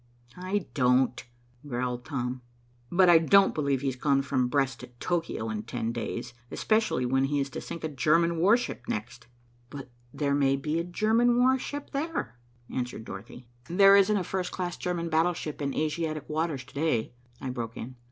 "I don't," growled Tom. "But I don't believe he's gone from Brest to Tokio in ten days, especially when he is to sink a German warship next." "But there may be a German warship there," answered Dorothy. "There isn't a first class German battleship in Asiatic waters to day," I broke in.